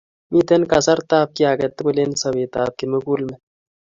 Miten kasartab kiaketugul en sabet ab kimukul met